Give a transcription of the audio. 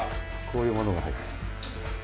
こういうものが入ってる。